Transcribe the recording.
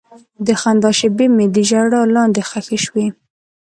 د خندا شېبې مې د ژړا لاندې ښخې شوې.